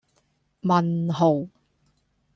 問號